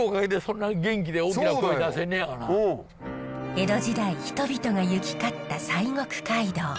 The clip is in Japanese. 江戸時代人々が行き交った西国街道。